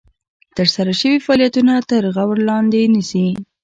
ترسره شوي فعالیتونه تر غور لاندې نیسي.